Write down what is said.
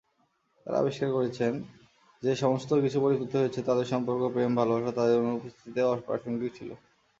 তারা আবিষ্কার করেছেন যে সমস্ত কিছু পরিবর্তিত হয়েছে, তাদের সম্পর্ক, প্রেম, ভালবাসা তাদের অনুপস্থিতিতে অপ্রাসঙ্গিক ছিল।